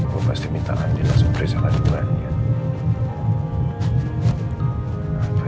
aku pasti minta andin langsung periksa lagi buahnya